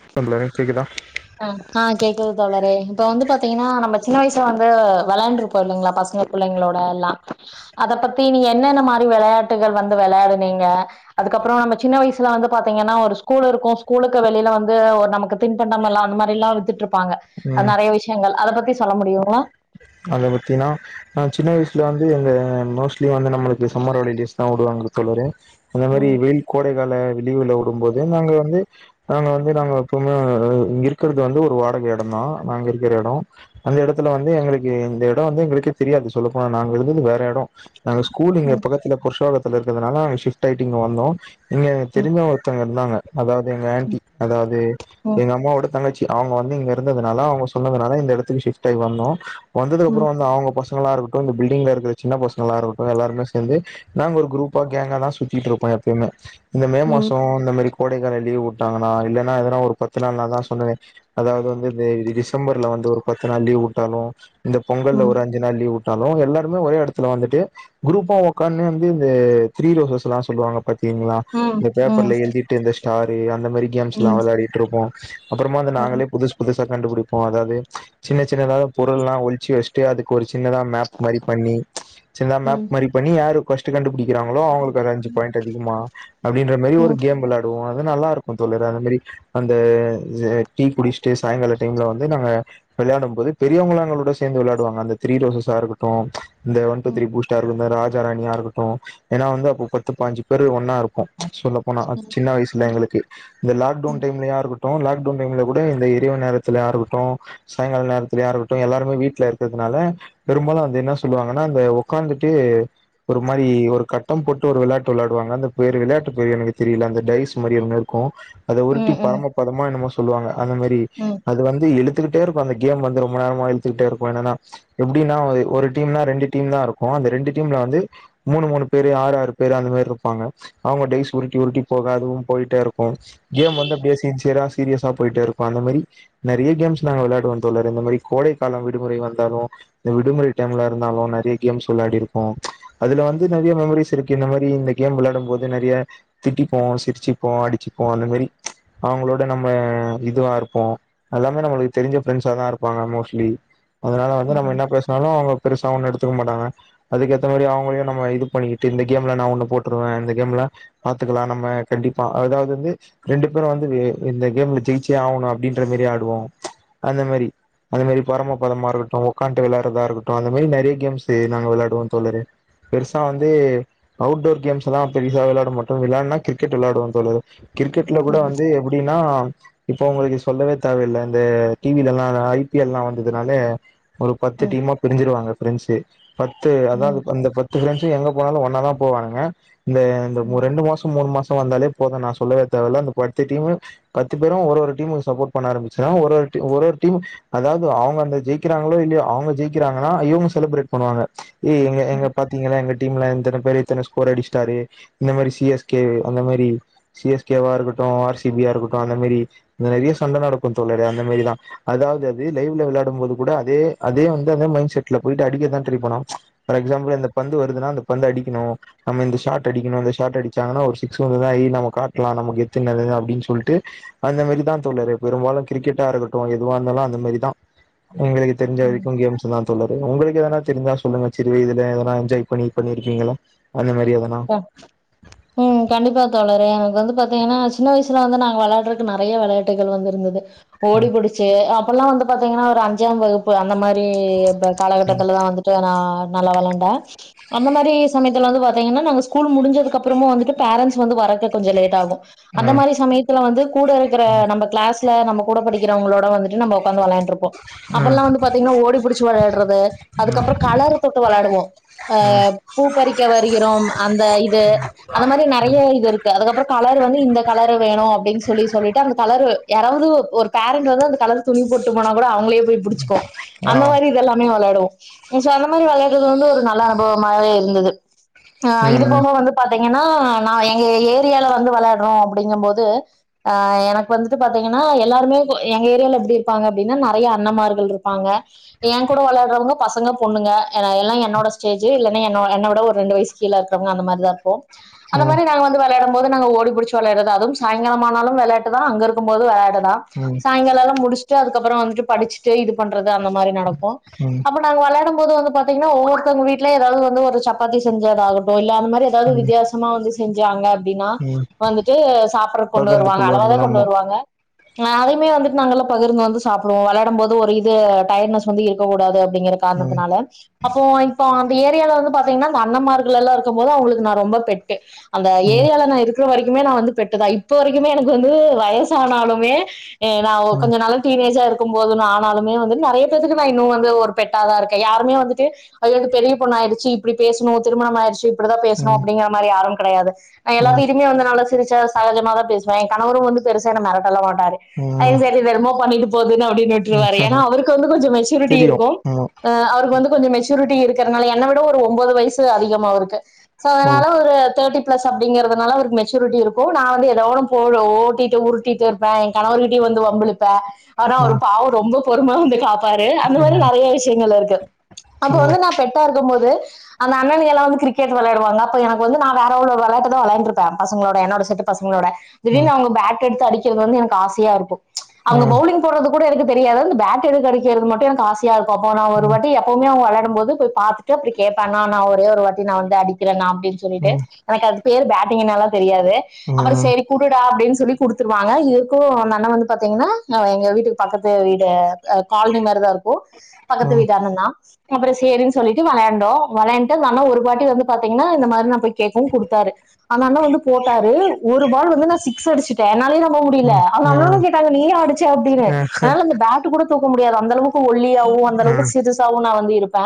[unintelligible] கேக்குதா அ அ கேக்குது தோழரே இப்ப வந்து பாத்தீங்கன்னா நம்ம சின்ன வயசுல வந்து விளையாண்டுருப்போ இல்லைங்களா பசங் பிள்ளைங்களோட எல்லா அத பத்தி நீங்க என்னென்ன மாரி விளையாட்டுகள் வந்து விளையாடுனீங்க அதுக்கப்புற நம்ம சின்ன வயசுல வந்து பாத்தீங்கன்னா ஒரு ஸ்கூல் இருக்கும் ஸ்கூலுக்கு வெளில வந்து ஒரு நமக்கு திண்பண்டம் எல்லா அந்த மாரில்லா வித்துட்ருப்பாங்க ம் அது நெறைய விஷயங்கள் அத பத்தி சொல்ல முடியுங்களா அத பத்தீன்னா நா சின்ன வயசுல வந்து இந்த மோஸ்ட்லி வந்து நம்மளுக்கு சம்மர் ஹாலிடேஸ் லா விடுவாங்க தோழரே அந்த மாரி ம் வெயில் கோடை கால லீவுல விடும்போது நாங்க வந்து நாங்க வந்து நா எப்பவுமே இருக்குறத வந்து ஒரு வாட் பாக்கி எடந்தா நாங்க இருக்குற எட அந்த எடத்துல வந்து எங்களுக் இந்த எடம் வந்து எங்களுக்கே தெரியாது சொல்லபோனா நாங்க இருந்தது வேற எடம் நாங்க ஸ்கூல்லிங்க ம் பக்கத்துல புருஷோகத் த்துல இருக்குறதுனால அங்க சிப்ட்டு ஆய்ட்டு இங்க வந்தோம் இங்க ம் தெரிஞ்சவக ஒருத்தங்க இருந்தாங்க அதாவது எங்க ஆண்ட்டி அதாவது எங்க அம்மாவோட தங்கச்சி அவுங்க வந்து இங்க இருந்ததுனால அவுங்க சொன்னதுனால இந்த எடத்துக்கு சிப்ட் ஆகி வந்தோ வந்ததுக்கு ம் ம் அப்றோ தா அவுங்க பசங் பசங்களா இருக்கட்டு இந்த பில்டிங்ல இருக்குற சின்ன பசங்கலா இருக்கட்டு எல்லாருமே சேந்து நாங்க ஒரு குரூப்பா கேங்கா தான் சுத்திட்டு இருப்போ எப்பயுமே இந்த மே மாச இந்த மேரி கோடைக்கால லீவ் வுட்டாங்கன்னா இல்லன்னா எதனா ஒரு பத்து நாள்னா தா சொல்லுவே அதாவது வந்து டிசம்பர்ல வந் வந்து ஒரு பத்து நாள் லீவ் விட்டாலு இந்த பொங்கல்ல ஒரு ம் அஞ்சு நாள் லீவ் விட் ட்டாலு எல்லாருமே ஒரே எடத்துல வந்துட்டு குரூப்பா ஒக்காணுந்து இந்த திரி ரோசல்லா சொல்லுவாங்க பாத்தீங்களா ம் ம் இந்த ம் பேப்பர்ல எழுதிட்டு இருந்த ஸ்டாரு யா அந்த மாரி கேம்ஸ்லா ம் ம் வெலாடிட்டுருப்போ அப்றமா அந்த நாங்களே புதுஸ் புதுஸ் த்த கண்டுபுடிப்போ அதாது சின்ன சின்னதாது பொருல்லா ஒழ்ச்சு வச்சுட்டு அதுக்கொரு சின்னதா மேப் மாரி பண்ணி சின்னதா மேப் ம் மாரி பண்ணி யாரு பர்ஸ்ட்டு கண்டுபுடி க்கிறாங்களோ அவுங்களுக்கு அஞ்சு பாயிண்ட் அதிகமா அப்டின்ற மேரி ம் ம் ம் ம் ம் ஒரு கேம் வெலாடுவோ அது நல்லாருக்கு தோழரே அத மேரி அந்த டீ குடிச்ட்டு சாய்ங்கால டைம்ல வந்து நாங்க வெளையாடும் போது பெரியவங்களு எங்களோட சே சேந்து விளாடுவாங்க அந்த த்ரி ரோஸசா இருக்கட்டு இந்த ஒன் டூ த்ரி பூஸ்டா இருந்த ராஜ் ஜரணியா இருக்ட்டு ஏன்னா வந்து அப்ப பத்து பாஞ்சு பேரு ஒன்னா இருப்போ சொல்ல போனா‌ அது சின்ன வய்சுல எங்களுக்கு இந்த லாக்டவ்ன் டைம்ல யாருக் ட்டு லாக்டவ்ன் டைம்ல கூட இந்த இரிவு நேரத்துலயா இருக்கட்டு சாய்ங்கால நேரத்துலயா இருக்கட்டு எல்லாருமே வீட் வீட்ல இருக்கறதுனால பெரும்பாலு அந்து என்ன சொல்லுவாங்கன்னா அந்த உக்காந்துட்டு ஒரு மாரி ஒரு கட்டம் போட்டு ஒரு வெளாட்டு வெளாடுவாங்க அந்த பேரு விளாட்டு பேரு எனக்கு தெரில அந்த டைஸ் மாரி ஒன்னு இருக்கு அத உருட்டி ம் ம் பரம பதமா என்னமோ சொல்லுவாங்க அந்த மேரி ம் ம் ம் ம் அது வந்து எழு த்துக்கிட்டே இருக்கு அந்த கேம் வந்து ரொம்ப நேரமா இழுத்துக்கிட்டே இருக் ஒனனா எப்புடின்னா ஒ ஒரு டீம்னா ரெண்டு டீம் தா இருக்கு அந்த ரெண்டு டீம்ல வந்து மூணு மூணு பேரு ஆர் ஆறு பேர் அந்த மேரி இருப்பாங்க அவுங்க டைஸ் உருட்டி உருட்டி போக அதுவும் போய்ட்டே இரு கு கேம் வந்து அப்டியே சின்ச்சியராஸ் சீரியஸா போய்ட்டே இருக்கு அந்த மேரி நெறைய கேம்ஸ் நாங்க வெளாடுவோ தோழரே அந்த மாரி கோடை காலம் வி விடுமுறை வந்தாலு இந்த விடுமுறை டைம்ல இருந்தாலு நெறைய கேம்ஸ் விளாடிருக்கோ அதுல வந்து நெறையா மெமரிஸ் இருக்கு இந்த மாரி இந்த கேம் வெளாடும் மோது நெறைய திட்டிப்போ சிரிச்சிப்போ அடிச்சு போ அந்த மேரி அவுங்களோட நம்ம இதுவா இருப்போ அல்லாமே நம்மளுக்கு தெரிஞ்ச பிரெண்ஸ்ஸாதா இருப்பாங்க மோஸ்லி அதுனால வந்து நம்ம என்ன பேஸ்னால அவுங்க பெருசா ஒண்ணு எடு த்துக்கமாட்டாங்க அதுக்கேத்த மேரி அவுங்களே நம்ம இது பண்ணிகிட்டு இந்த கேம்ல நா ஒண்ண போட்ருவே இந்த கேம்ல அது த்க்கலா நம்ம கண்டிப்பா அதாவது வந்து ரெண்டு பேரு வந்து இந்த கேம் ஜெய்ச்சே ஆவுணு அப்டின்ற மேரி ஆ டுவோ அந்த மேரி அந்த மேரி பறம பதமா இருகட்டு உக்கான்ட்டு விளாடுரதா இருக்கட்டு அந்த மேரி நெரய கேம்ஸ்சு நாங்க வெளாடுவோ தோழரே பெருசா வந்து அவ்டோர் கேம்ஸ்ஸல்லா பெரீஷா வெலாட மாட்டோ வெளையாடுன கிரிக்கெட் விளாடுவோ தோழரே கிரிக்கெட்ல ம் கூட வந்து எப்டினா இப்ப உங்களுக்கு சொல்லவே தேவயில்ல இந்த டி விலல்லா அந்த ஐ பிஎல்லா வந்ததுனாலே ஒரு பத்து டீமா பிரிஞ்சிருவாங்க ஃப்ரண்ட்ஸ்சு பத்து அதாது அந்த பத்து ஃப்ரண்ட்ஸ்சு எங்க போனாலு ஒன்னா தா போவானுங்க இந்த இந்த ம் ரெண்டு மாசம் மூணு மாசமா வந்தாலே போது நா சொல்லவே தேவல அந் பத்து டீமு பத்து பேரு ஒரு ஒரு டீமுக்கு சப்போர்ட் பண்ண ஆரம்பிச்சா ஒரு ஒரு டீ ஒரு ஒரு டீம் அதாவது அவங்க அந்த ஜெய்க்கிறாங்களோ இல்லையோ அவுங்க ஜெயிக்கிறாங்கன்னா இவுங்க செலுப்ரேட் பண்ணுவாங்க ஏ ஏங்க ம் ஏங்க பாத்தீங்கனா எங்க டீம்ல இந்தன பேரு இத்தன ஸ்கோர் அடிச்சிட்டாரு, இந்த மேரி சிஎஸ்கே அந்த மேரி சிஎஸ்கேவா இருக்கட் ட்டும் ஆர்சிபியா இருக்கட்டும் அந்த மேரி நெறிய சண்ட நடக்கும் தோழரே அந்த மேரிதான் அதாவது அது லைவ்ல விளாடும் போது கூட அதே அதே வந்து அந்த மைண்செட்ல போய்ட்டு அடிக்கதான் ட்ரை பண்ணுவாங்க ஃபார் எக்ஸாபுல் அந்த பந்து வருதுனா அந்த பந்து அடிக்கணு, நம்ம இந்த ஸாட் அடிக்கணு, இந்த ஸாட் அடிச்சாங்கனா ஒரு சிக்ஸ் வந்துதா ஐ நம்ம காட்லா நம்ம கெத்துனால தா அப்டி சொல்ட்டு அந்த மாரி தா தோழரே பெரும்பாலு கிரிக்கெட்டா இருக்கட்டும் எதுவா இருந்தாலு அந்த மாரிதா எங்களுக்கு தெர்ஞ்ச ம் வரைக்கு கேம்ஸ் தா தோழரு உங்களுக் எதனா தெரிஞ்ச சொல்லுங்க சிறு இதுல எதனா என்ஜாய் பண்ணி பண்ணிருகீங்ளா ம் கண்டிப்பா தோழரே வந்து பாத்தீங்கன்னா சின்ன வயசுல வந்து நாங்க வளாட்ரக்கு நிறைய விளையாட்டுகள் வந்துருந்துது ஓடிபுடிச்சு அப் அப்பல்லா வந்து பாத்தீங்ன்னா ஒரு அஞ்சாம் வகுப்பு அந்த மாரி ம் ம் காலகட்டத்தல தா வந்துட்டு நா நல்லா வெளண்ட அந்த மாரி சமயத்துல வந்து பத் த்திங்கன நாங்க ஸ்கூல் முடிஞ்சதுக்கப்பறமு வந்துட்டு பேரண்ட்ஸ் வந்து வரதுக்கு கொஞ்சோ லேட்டாகு அந்த ம் மாரி சமயத்துல வந்து கூட இருக்குற நம்ம கிளாஸ்ல நம்ம கூட படிக்கிறவங்களோட வந்துட்டு நம்மோ உக்காந்து வெளாண்ட்ருப்போ ம் அப்பல்லா வந்து பாத்தீங்ன்னா ஓடிிபுடுச்சு வெளாட்றது அதுக்கப்ரோ ம் கலர் போட்டு வெளாடுவோ அ ம் பூ பறிக்கவ கிறோம் அந்த இது அந்த மாரி நறைய ம் இது இருக்கு அதுக்கப்ரோ கலர் வந்து இந்த கலர் வேணு அப்டின்னுஸ் சொல்லி சொல்லிட்டு அந்த கலர் யாராவது ஒரு பேரண்ட் வந்து அந்த கலர் துணி போட்டு போனா கூட அவங்களையே போய்புடுச்சுக்கோ ஆ அந்த மாரி இதல்லாமே வெளாடுவோ சோ அந்த மாரி வெளாட்றது வந்து ஒரு நல்ல அனுபவமாவே இருந்துது ஆ ம் இது ம் போக வந்து பாத் பாத்தீங்கன்னா நா எங்க ஏரியால வந்து வெளாட்ரோ அப்படிங்குபோது ஆ எனக்கு வந்துட்டு பாத்தீங்கன் நா எல்லாருமே போ எங்க ஏரியல எப்டி இருப்பாங்க அப்டின்னா நெறைய அண்ணமார்கள்ருப்பாங்க என் கூட வெளாட்ராவங்க பசங்க பொண்ணுங்க எல்லா என்னோட ஸ்டேஜ் இல்லன்னா என்னோ என்னோவுட ஒரு ரெண்டுவய்சு கீழ இருக்கறவங்க அந்த மாரி தாருப்போ அந்த மாரி நாங்க வந்து வேற வெலாடும் போது நாங்க ஓடிபுடுச்சு வெளாட்ராது அதும் சாய்ங்காலமானாலு வெளாட்டுதா தா அங்க இருக்கு போது வெளட் த்த ம் சாய்ங்காலாலா முடிஷ்ட்டு அதுக்கப்ரோ வந்துட்டு படிச்சுட்டு இது பண் ப்ரது அந்த மாரி நடக்கு ம் ம் அப்ப நாங்க வெளயாடு போது வந்து பாத்திங்கனா ஒவ்வொருத்தங்க வீட்ல ஏதாவது ஒரு சப்பாத்தி செஞ்சது ஆகட்டு இல்ல அந்த மாரி எதாவது வித்யாசமா வந்து செஞ்சாங்க அப்டின்னா ம் வந்துட்டு சாப்ரக்கு கொண்டு பகிர்ந்து வருவாங்க அலவா தா கொள்வார்கள் கொண்டு ஆமா வருவாங்க ஆ அதையுமே வந்துட்டு நாங்கல்ல பகிர்ந்து வந்து சாப்டுவோ வெளாடும்போது ஒரு இது டயட்னஸ் வந்து இருக்க கூடாது அப்டிங்கிற ம் காரணத்துனால அப்போ இப்போ அந்தேறியவள வந்து பாத்தீங்ன்னா அ அண்ணாமார்கல்லல்ல இருக்கு போது அவங்களுக்கு நா ரொம்ப பெட்டு அந்த ம் ஏரியல நா இருக்குற வரைக் இன்னுமே நா வந்து பெட்டுதா இப்ப வரைக்குமே எனக்கு வந்து வயசானாலுமே நான் ம் ம் கொஞ்சோ நாளா டீனேஜா இருக் க்குபோது ஆனாலுமே வந்து நெறய பேர்க்கு நா இன்னு வந்து ஒரு பெட்ட தா இருக்க யாருமேவந்துட்டு அய்யோஇந் பெரிய பொண்ணா ஆய்டுச்சி இப்டி பேசுனோத் திருமணம் ஆயிற்ச்சு இப்படிதா பேசணு அப்டிங்கறமாரி யாரும் கடையாது ம் எல்லாத்டியுமே இனிமே நா வந்து நாளா சிருச்சா சகஜமா தா பேசுவே என் கணவரு வந்து பெருச என்ன மெரடல்ல மாட்டாரு ம் வயசாச்சு இனி என்னமோ பண்ணிட்டு போதுன்னு அப்டின்னு விட்டுவாரு ஏன்னா ம் அவருக்கு வந்து கொஞ்சோ மெச்சூரிட்டி தெரியு இருக்கும் ஆமா அவருக்கு வந்து கொஞ்சோ மெச்சூரிட்டி இருக்கறனால என்ன விட ஒரு ஒன்பது வயசு அதிகமாருக்கு சோ அதனால ஒரு தேட்டி ப்ளஸ் அப்டிங்கறதுனால அவருக் மெச்சூரிட்டி இருக்கு நா வந்து ஏதோஒன்னு பொருள் ஓட்டிட்டு உருட்டிட்டு இருப்ப என் கணவர் கிட்டயு வந்து வம்பில்லுப்ப ஆனா அவர் ம் பாவோ ரொம்ப பொறுமா வந்து காப் பாரு அந்த ம் ம் ம் மாரி ம் ம் நெறைய விஷியங்கள் இருக்கு அப்ப ம் ம் ம் ம் வந்து நா பெட்டா இருக்கு போது அந்த அண்ணன்கயெல்லாரு க்ரிக்கெட் வெளாடுவாங்க அப்போ எனக்கு வந்து நா வேற ஓரு ஒருவெளடுதா வேலான்ட்டுருப்பே பசங்களோட என்னோட செட்டு பசங் ங்களோட ம் திடீனு அவங்க பேட் எடுத்து அடிக்கறது வந்து எனக்கு ஆசையா இருக்கு அவங்க ம் பவ்லிங் போடுறது கூட எனக்கு தெரியாது அந்த பேட் எடுத்து அடிக்கிறது மட்டு எனக்கு ஆசையாருக்கு அப்போ நா ஒரு வாட்டி எப்போமே அவசங் விளையாட ம்போது போய் பாத்துட்டு அப்ரோ கேப்ப அண்ணா அண்ணா ஒரேஒரு வாட்டி நா வந்து அடிக்கிறனா அப்டின்னு சொல்லிட்டு எனக்கு அதுக் பேர் பேட் டிங்னால தெரியாது அப்ரோ சேரி குடுடா அப்டின் சொல்லி குடுத்துருவாங்க இதுக்கு அந்த அண்ணா வந்துபாத்தீங்ன்னா அவ எங்க வீட்டுக்கு பக்கத்து வீடு கால்னி மர தாருக்கு பக்கத்து வீடன்னாத தா அப்ரோ சேரி சொல்லிட்டு வெளையாண்டோ வெளைன்ட்டு அந்த அண்ணா ஒரு பாட்டி வந்து பாத்தீங்ன்னா இந்த மாரி நா போய் கேக்கவு குடுத்தாரு அந்த அண்ணா வந்து போட்டாரு ஒரு பால் வந்து நா சிக்ஸ் அடிச்சிட்ட அத்னாலயே நா நம்பமுடியில அந்த அண்ணனு கேட்டாங்க நீயா ஆடிச்ச அப்டினு என்னால அந்த பேட்டு கூட தூக்க முடியாது அந்த அளவுக் கு ஒல்லியாவு அந்தளவுக்கு சிறுசாவு நா வந்து இருப்ப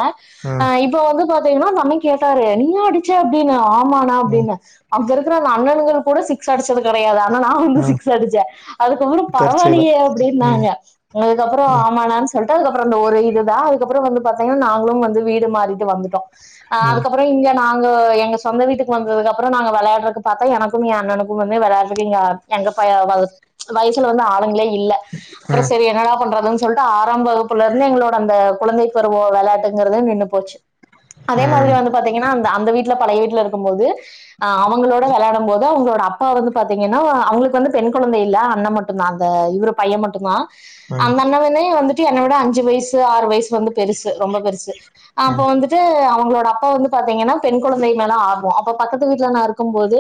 ம் ஆ ம் இப்ப வந்து பாத்தீங்னா அந்த அண்ணே கேட்டாரு நீயா அடிச்ச அப்டின்னு ஆமானா ம் அப்டின்ன அங்க இருக் அந்த அண்ணன்கள் கூட சிக்ஸ் அடிச்சது கிடையாதா ந வந்து ம் சிக்ஸ் அடிச்சே அதுக்கப்புறம் தற்செயலா பரவால்லயே அப்படி ம் ம் இருந்தாங்க அதுக்கப்புறம் ம் ஆமனான்னு சொல்லி அதுக்கப்புறம் அந்த ஒரு இதுதான் அதுக்கப்புறம் வந்து பாத்தீங்கன்னா நாங்களும் வந்து வீடு மாறிட்டு வந்துட்டு அ் ம் ம் ம் ம் ம் ம் ம் ம் ம் ம் அதுக்கப்புறம் இங்க நா எங்க சொந்த வீட்டுக்கு வந்தது அப்புறம் நாங்க விளையாடுறக்கு பார்த்தா எனக்கும் என் அண்ணனுக்கும் வந்து விளையாடுறதுக்கு இங்க எங்க வயசுல வந்து ஆளுங்களே இல்ல அப்புறம் சரி என்னடா பண்றது சொல்ட்டு ஆராம் வகுப்புல இருந்து எங்களோட அந்த குழந்தை பருவம் விளையாட்டுங்கறத நின்னு போச்சு அதே மாதிரி வந்து பாத்தீங்கன்னா அந்த அந்த வீட்ல பழையட் இருக்கும்ப போது அவங்களோட விளையாடும் போது அவங்களோட அப்பா வந்து பாத்தீங்கன்னா அவங்களுக்கு வந்து பெண் குழந்தை இல் ல அண்ணன் மட்டுும் தான் அந்த இவர பையன் மட்டுும்தான் ம் அந்த அண்ணவனே வந்துட் ட்டு என்னை விட அஞ்சு வயசு ஆறு வயசு வந்து பெருசு ரொம்ப பெருசு அப்ப வந்துட்டு அவங்களோட அப்பா வந்து பாத்தீங்கன்னா பெண் குழந்தை மேல ஆகும் அப்ப பக்கத்து வீட்ல நான் இருக்கும்போது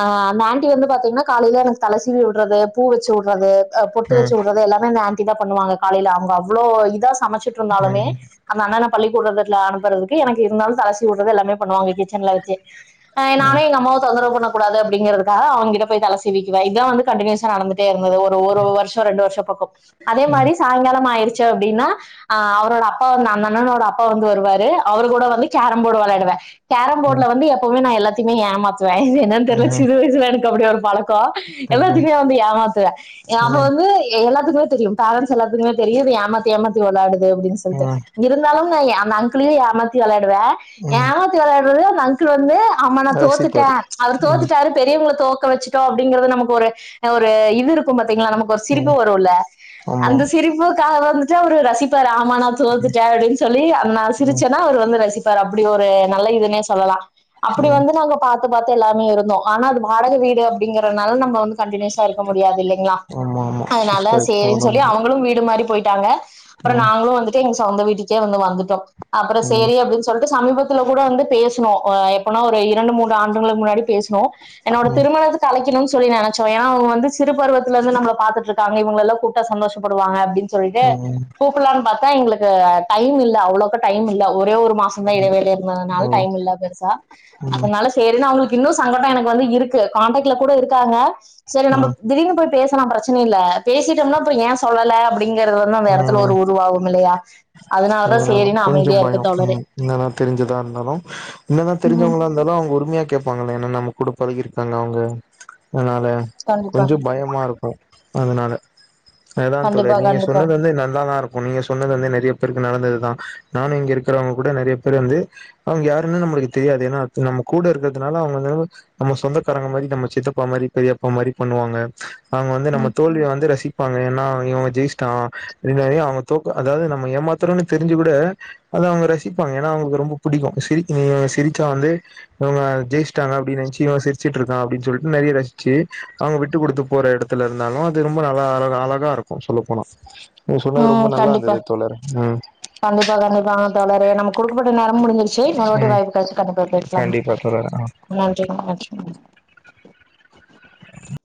அ அந்த ஆண்டி வந்து பாத்திங்கன்னா காலில எனக்கு தலை சீவி விடுறது பூ வச்சு உடுறது பொட்டு வச்சு ம் உடுறது எல்லாமே அந்த ஆண் டி தான் பண்ணுவாங்க காலையில அவங்க அவ்ளோ இதா சமைச்சிட்டு இருந்தாலுமே அந்த அண்ணன பள்ளிக்கூடுறல அனுப்புறதுக்கு எனக்கு இருந்தாலும் தலை சீவி விடுறது எல்லாமே பண்ணுவாங்க கிச்சன்ல வச்சு நானே எங்க அம்மாவ தொந்தரவு பண்ணக்க கூடாது அப்படிங்க க்காக அவங்கிட்ட போய் தலைசிவிக்குான் வந்து கண்டினுயூஸ்சா நடந்துட்டே இருந்தது ஒரு வருஷம் ரெண்டு வருஷம் பக்கம் அதே மாதிரி சாயங்காலம் ஆயிடுச்சு அப்படின்னா அ அவரோட அப்பா வந்து அந்த அண்ணனோட அப்பா வந்து வருவாரு அவரு கூட வந்து கேரம்போர்டு விளையாடுவேன் ம் கேரம்பர்டல வந்து எப்பவும நான் எல்லாத்தையமே ஏமாத்துவேன் என்னனு தெரில வயசுல இருக்க அப்படிய ஒரு பழக்கம் எல்லாத்துக்குமே வந்து ஏமாத்துவே அவ வந்து எல்லாத்துக்குமே தெரியு பேரன்ஸ் எல்லாத்துக்குமே தெரியுது இது ஏமாத்தி ஏமாத்தி விளாடுது அப்படின்னு சொல்ட்டு இருந்தாலும் ன் அந்த அங்கள த்தி விளையாடுவேன் ம் ஏமாத்தி விளையாடுறது அந்த அங்கில் வந்து ஆமா நான் ரசிப்பாரு தோத்துட்டேன் அவர் ம் தோத்துட்டாரு பெரியவங்கள தோ வச்சுட்டோ அப்படிங்கறது நமக்கு ஒரு ஒரு இது இருக்கும் பாத்தீங்களா நமக்கு ஒரு சிரிப்பு ம் வரும்ல்ல ஆமா அந்த சிரிப்புக்காக வந்துட்டு அவரு ரசிப்பாரூ ஆ நா ம் ம் தோத்துட்டே அப்படின்னு சொல்லி அந்தா சிரி ம் ச்சன்னா அவர் வந்து ரசிப்பாரு அப்படி ஒரு நல்ல இதுனே சொல்லலா அப்படி ஆமா வந்து நாங்க பாத்துு பாத்து எல்லாமே இருந்தோம் ஆனா அது வாடக வீடு அப்படிங்கறனால நம்ம வந்து கண்டினியூஸா இருக்கு முடியாது இல்லைங்களா ஆமா அதனால ஷிஃப்ட் ஆயி சேரின்னு போன சொல்லி முடியு அவங்களும் வீடு மாரி போயிட்டாங்க அப்புறம் ம் நாங்களும் வந்துட்டு எங்க சொந்த வீட்டுக்கே வந்து வந்துட்டோ அப்புறம் ம் சேரி அப்படின்னு சொல்ட்டு சமீபத்துல கூட வந்து பேசணும் எப்பனா ஒரு இரண்டு மூன்று ஆண்டுங்களுக்கு முன்னாடி பேசணு என்னோட ஓ ம் திருமணத்தை அழைக்கணும்னு சொல்லி நினைச்சோம்ங்க வந்து சிறு பருவத்தில இருந்து நம் பார்த்தட்டு இருக்காங்க இவங்க எல்லா கூட்ட சந்தோஷப்படுவாங்க அப்படின்னு சொல்லிட்டு ம் கூப்பலான்னு பார்த்தா எங்களுக்கு டைம் இல்ல அவ்வளவுக்கு டைம் இல்ல ஒரே ஒரு மாசம் தான் இடைவளி இருந்ததுனால டைம் இல்ல பெருசா ம் அதனால சேரின்னு அவங்களுக்கு இன்னு சங்கடம் எனக்கு வந்து இருக்கு கான்டாக்ட்ல கூட இருக்காங்க சரி நம்ம திடீர்னு போய் பேசலாம் பிரச்சனை இல்லை பேச பேசிட்டோம்னா இப்ப ஏன் சொல்லல அப்படிங்கறது வந்து அந்த இடத்துல ஒரு உருவாகும் இல்லையா அதனால தான் கொஞ்சம் பயம் ம் என்னதா தெரிஞ்சதா இருந்தாலும் என்னதான் ம் தெரிஞ்சவங்களா இருந்தாலும் அவங்க உரிமையா கேட் ப்பாங்கள என்ன நம்ம குட பதகிருக்காங்க அவங்க அதனால கண்டிப்பா கொஞ்சம் பயமா இருக்கு அதனால அதுதான் தோழி கண்டிப்பா நீங்க கண்டிப்பா சொன்னது வந்து நல்லாதான் இருக்கும் நீங்க சொன்னது வந்து நிறைய பேருக்கு நடந்ததுதான் நானும் இங்க இருக்கிறவங்க கூட நறைய பேர் வந்து அவங்க யாருன்னு நம்மளுக்கு தெரியாது ஏன்னா நம்ம கூட இருக்கிறதுனால அவங்க வந்து நம்ம சொந்தக்காரங்க மாரி நம்ம சித்தப்பா மாரி பெரியப்பா மாரி பண்ணுவாங்க அவங்க வந்து நம்ம ம் தோல்வியை வந்து ரசிப்பாங்க ஏன்னா இவங்க ஜெயி்ச்ட்டான் அவங்க தோக்க அதாவது நம்ம ஏமாத்தோரோன்னு தெரிஞ்சு கூட அதை அவங்க ரசிப்பாங்க ஏன்னா அவங்க ரொம்ப புடிக்கும் சிரி இவங்க சிரிச்சா வந்து இவங்க ஜெயிச்சிட்டாங்க அப்டி நினைச் இவ சிரிச்சட்டு இருக்கா அப்டினு சொல்லட் நறைய ரசிச்சு அவங்க விட்டு கொடுத்து போற இடத்து இருந்தும் அது ரொம்ப நல்ல அழக அழகா இருக்கும் சொல்ல போனா நீங்க சொன்னது ரொம்ப ம் நல்லா கண்டிப்பா இருந்தது தோழர் ம் கண்டிப்பா கண்டிப்பாங்க தோழரே நம்ம குடுக்கப்பட்ட நேரம் டைம் முடிசிருச்சு மறுபடி ம் வாய்ப்பு கத்து கண்டிப்பா பேசுலாங்க கண்டிப்பா தோழர் ஆ நன்றி நன்றி [inaudible]